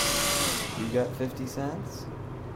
You got fifty cents?